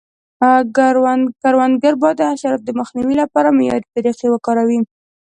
کروندګر باید د حشراتو د مخنیوي لپاره معیاري طریقې وکاروي.